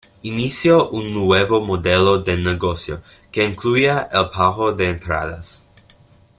Inició un nuevo modelo de negocio, que incluía el pago de entradas.